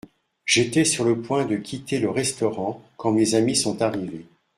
J’étais sur le point de quitter le restaurant quand mes amis sont arrivés.